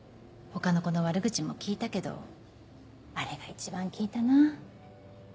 他の子の悪口も効いたけどあれが一番効いたな。